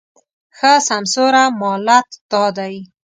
ښه سمسوره مالت دا دی